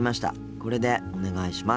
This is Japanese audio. これでお願いします。